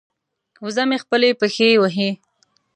وزه مې خپلې پښې وهي.